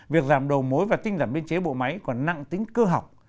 việc giảm đầu mối và tinh giảm biên chế bộ máy còn nặng tính cơ học